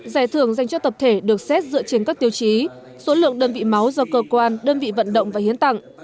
giải thưởng dành cho tập thể được xét dựa trên các tiêu chí số lượng đơn vị máu do cơ quan đơn vị vận động và hiến tặng